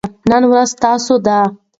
نن ورځ ستاسو ده.